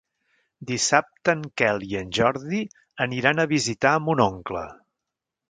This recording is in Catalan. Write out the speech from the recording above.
Dissabte en Quel i en Jordi aniran a visitar mon oncle.